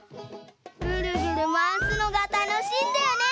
ぐるぐるまわすのがたのしいんだよね！